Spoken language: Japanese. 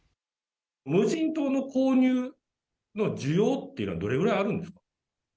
無人島の購入の需要というのはどれぐらいあるんですか。